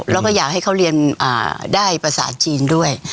แล้วก็อยากให้เขาเรียนได้ภาษาจีนด้วย